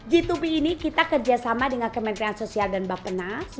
g dua b ini kita kerjasama dengan kementerian sosial dan bapenas